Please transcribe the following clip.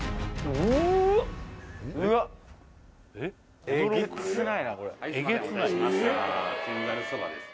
うわっす